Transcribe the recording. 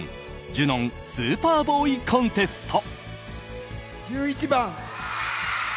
ジュノン・スーパーボーイ・コンテスト。